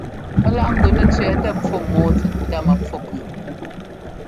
Pɛ́k láꞌ ŋ́gʉ nɛ́ tsẅɛ́ɛtɛ pfú mɔ́ɔ tsɛt ndá mɛpfú pʉɔ.